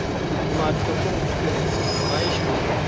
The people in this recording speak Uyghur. ئۇلار چوقۇم كۈچ كۆرسىتىپ نامايىش قىلىدۇ.